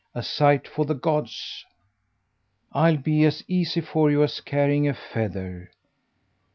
a sight for the gods. I'll be as easy for you as carrying a feather."